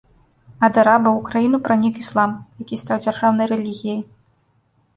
Ад арабаў у краіну пранік іслам, які стаў дзяржаўнай рэлігіяй.